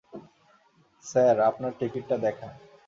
Sir, আপনার টিকেটটা দেখান।